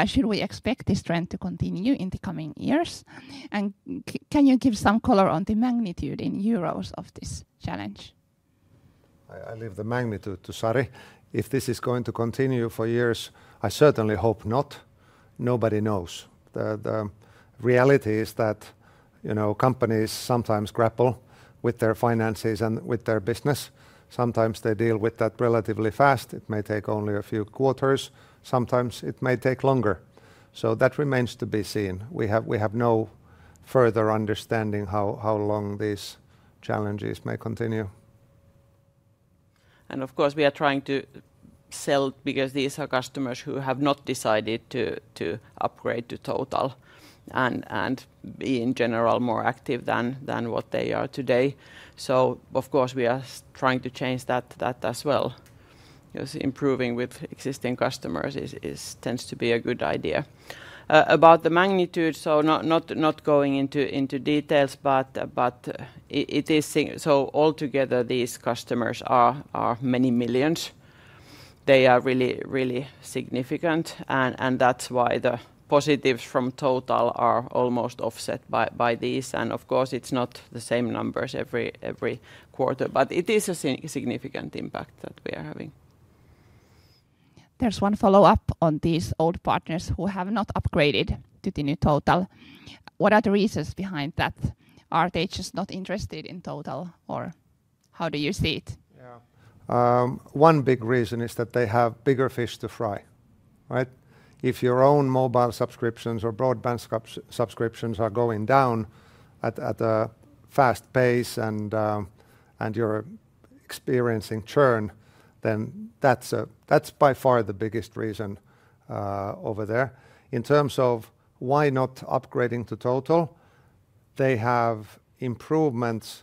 Should we expect this trend to continue in the coming years, and can you give some color on the magnitude in euros of this challenge? I leave the magnitude to Sari. If this is going to continue for years, I certainly hope not. Nobody knows. The reality is that, you know, companies sometimes grapple with their finances and with their business. Sometimes they deal with that relatively fast, it may take only a few quarters. Sometimes it may take longer. So that remains to be seen. We have no further understanding how long these challenges may continue. And of course, we are trying to sell, because these are customers who have not decided to upgrade to Total and be in general more active than what they are today. So of course, we are trying to change that as well, because improving with existing customers tends to be a good idea. About the magnitude, so not going into details, but it seems. So altogether, these customers are many millions. They are really, really significant, and that's why the positives from Total are almost offset by these. And of course, it's not the same numbers every quarter, but it is a significant impact that we are having. There's one follow-up on these old partners who have not upgraded to the new Total. What are the reasons behind that? Are they just not interested in Total, or how do you see it? Yeah. One big reason is that they have bigger fish to fry, right? If your own mobile subscriptions or broadband subscriptions are going down at a fast pace, and you're experiencing churn, then that's by far the biggest reason over there. In terms of why not upgrading to Total, they have improvements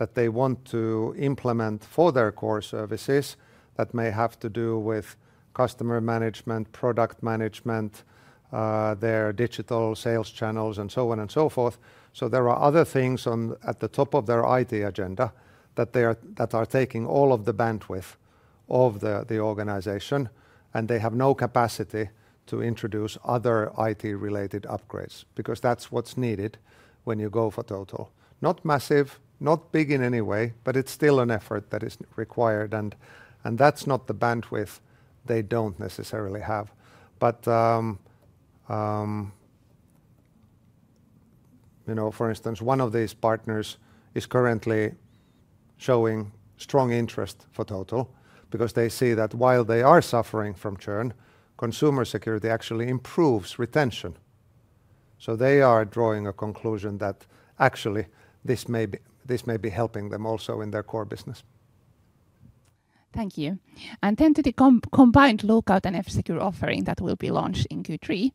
that they want to implement for their core services that may have to do with customer management, product management, their digital sales channels, and so on and so forth. So there are other things on at the top of their IT agenda that are taking all of the bandwidth of the organization, and they have no capacity to introduce other IT-related upgrades, because that's what's needed when you go for Total. Not massive, not big in any way, but it's still an effort that is required, and that's not the bandwidth they don't necessarily have. But, you know, for instance, one of these partners is currently showing strong interest for Total because they see that while they are suffering from churn, consumer security actually improves retention. So they are drawing a conclusion that actually this may be helping them also in their core business. Thank you. Then to the combined Lookout and F-Secure offering that will be launched in Q3,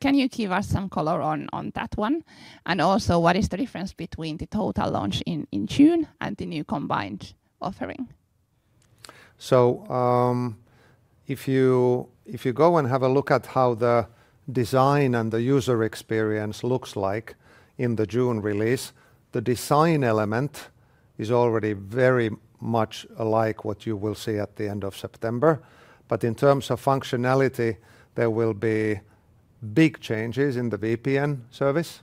can you give us some color on that one? And also, what is the difference between the Total launch in June and the new combined offering? So, if you go and have a look at how the design and the user experience looks like in the June release, the design element is already very much alike what you will see at the end of September. But in terms of functionality, there will be big changes in the VPN service,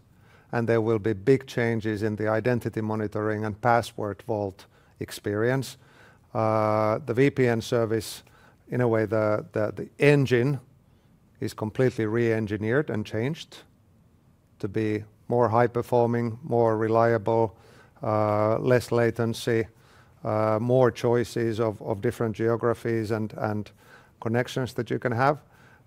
and there will be big changes in the identity monitoring and password vault experience. The VPN service, in a way, the engine is completely re-engineered and changed to be more high-performing, more reliable, less latency, more choices of different geographies and connections that you can have.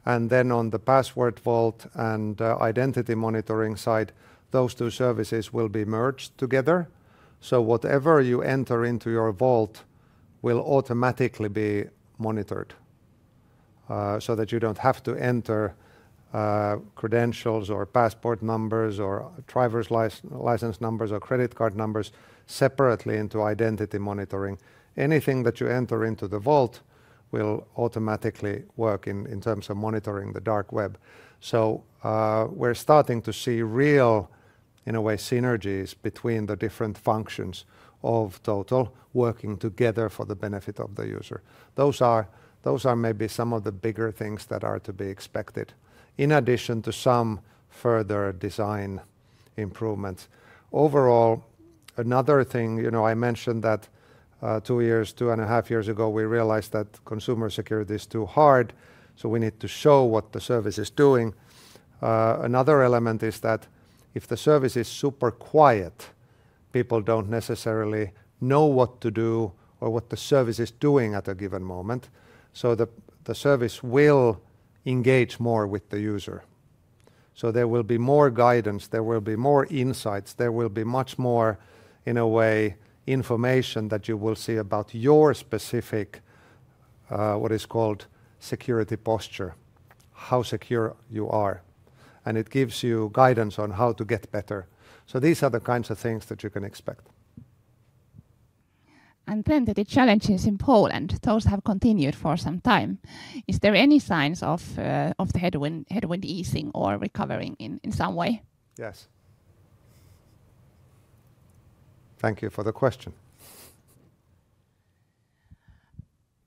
And then on the password vault and identity monitoring side, those two services will be merged together. So whatever you enter into your vault will automatically be monitored, so that you don't have to enter credentials or passport numbers or driver's license numbers or credit card numbers separately into identity monitoring. Anything that you enter into the vault will automatically work in terms of monitoring the dark web. So we're starting to see real, in a way, synergies between the different functions of Total working together for the benefit of the user. Those are maybe some of the bigger things that are to be expected, in addition to some further design improvements. Overall, another thing, you know, I mentioned that 2 years, 2.5 years ago, we realized that consumer security is too hard, so we need to show what the service is doing. Another element is that if the service is super quiet, people don't necessarily know what to do or what the service is doing at a given moment, so the service will engage more with the user. So there will be more guidance, there will be more insights, there will be much more, in a way, information that you will see about your specific, what is called security posture, how secure you are, and it gives you guidance on how to get better. So these are the kinds of things that you can expect. The challenges in Poland, those have continued for some time. Is there any signs of the headwind easing or recovering in some way? Yes. Thank you for the question.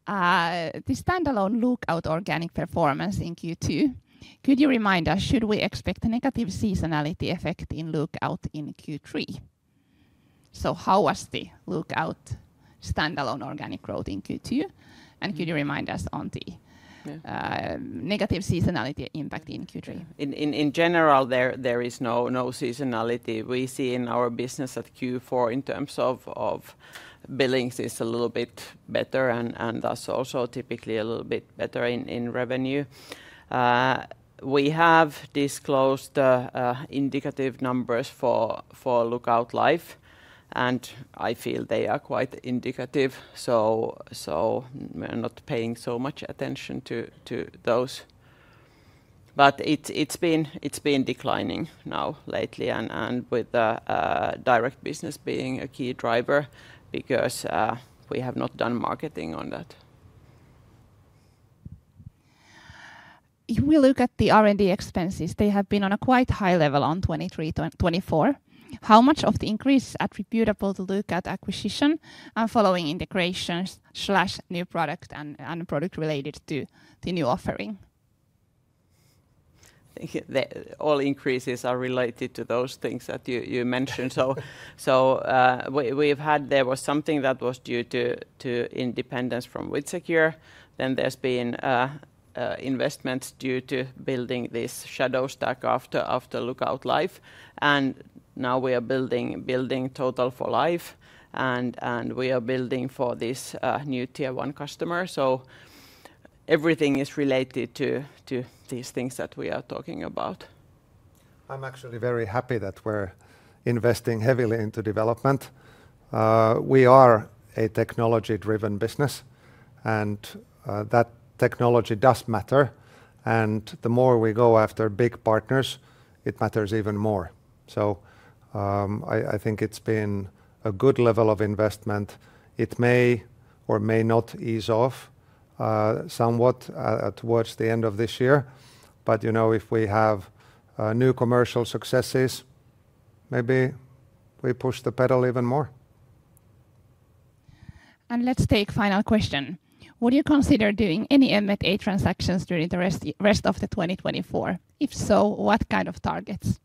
The standalone Lookout organic performance in Q2, could you remind us, should we expect a negative seasonality effect in Lookout in Q3? So how was the Lookout standalone organic growth in Q2, and could you remind us on the negative seasonality impact in Q3? In general, there is no seasonality. We see in our business that Q4, in terms of billings, is a little bit better and thus also typically a little bit better in revenue. We have disclosed indicative numbers for Lookout Life, and I feel they are quite indicative, so we're not paying so much attention to those.... but it's been declining now lately, and with the direct business being a key driver because we have not done marketing on that. If we look at the R&D expenses, they have been on a quite high level on 2023 to 2024. How much of the increase is attributable to Lookout acquisition and following integrations/new product and product related to the new offering? All increases are related to those things that you mentioned. So, we've had... There was something that was due to independence from WithSecure, then there's been investments due to building this shadow stack after Lookout Life. And now we are building Total for Life, and we are building for this new Tier 1 customer. So everything is related to these things that we are talking about. I'm actually very happy that we're investing heavily into development. We are a technology-driven business, and that technology does matter, and the more we go after big partners, it matters even more. So, I think it's been a good level of investment. It may or may not ease off somewhat towards the end of this year. But you know, if we have new commercial successes, maybe we push the pedal even more. Let's take final question. Would you consider doing any M&A transactions during the rest of the 2024? If so, what kind of targets?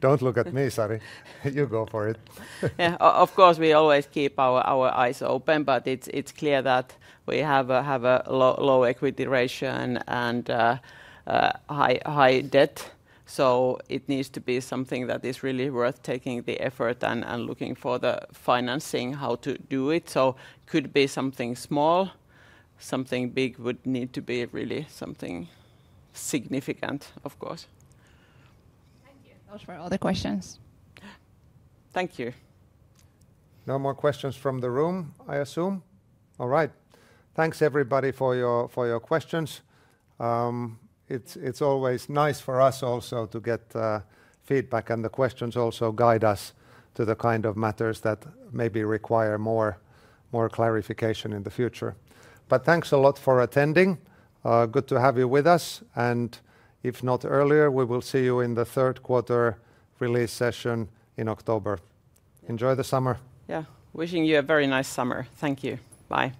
Don't look at me, Sari. You go for it. Yeah, of course, we always keep our eyes open, but it's clear that we have a low equity ratio and high debt. So it needs to be something that is really worth taking the effort and looking for the financing, how to do it. So could be something small. Something big would need to be really something significant, of course. Thank you. Those were all the questions. Thank you. No more questions from the room, I assume? All right. Thanks, everybody, for your questions. It's always nice for us also to get feedback, and the questions also guide us to the kind of matters that maybe require more clarification in the future. But thanks a lot for attending. Good to have you with us, and if not earlier, we will see you in the third quarter release session in October. Enjoy the summer. Yeah. Wishing you a very nice summer. Thank you. Bye.